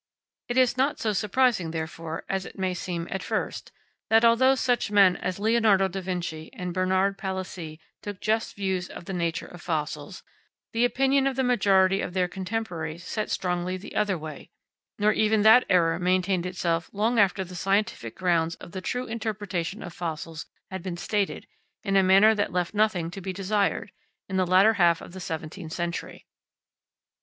It is not so surprising, therefore, as it may at first seem, that although such men as Leonardo da Vinci and Bernard Palissy took just views of the nature of fossils, the opinion of the majority of their contemporaries set strongly the other way; nor even that error maintained itself long after the scientific grounds of the true interpretation of fossils had been stated, in a manner that left nothing to be desired, in the latter half of the seventeenth century.